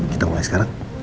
kita mulai sekarang